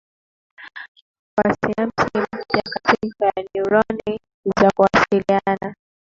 kwa sinapsi mpya kati ya neuroni za kuwasiliana